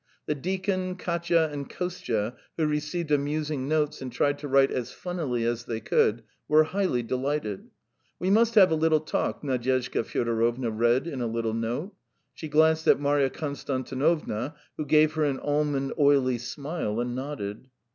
The deacon, Katya, and Kostya, who received amusing notes and tried to write as funnily as they could, were highly delighted. "We must have a little talk," Nadyezhda Fyodorovna read in a little note; she glanced at Marya Konstantinovna, who gave her an almond oily smile and nodded.